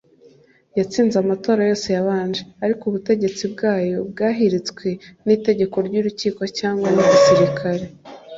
yatsinze amatora yose yabanje ariko ubutegetsi bwayo bwahiritswe n'itegeko ry'urukiko cyangwa n'igisirikare